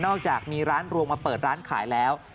จากมีร้านรวงมาเปิดร้านขายแล้ว